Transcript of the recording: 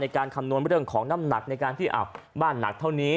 คำนวณเรื่องของน้ำหนักในการที่บ้านหนักเท่านี้